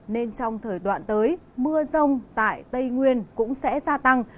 nên trong thời đoạn tới mưa rông tại tây nguyên cũng sẽ gia tăng